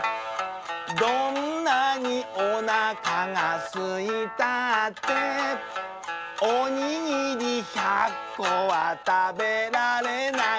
「どんなにおなかがすいたって」「おにぎり１００こはたべられない」